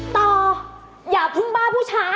ต่ออย่าพึงบ้าผู้ชาย